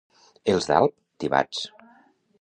Els d'Alp, tibats.